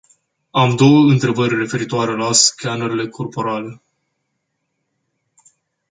Am două întrebări referitoare la scanerele corporale.